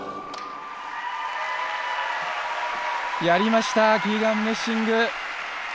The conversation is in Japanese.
やりました、キーガン・メッシング。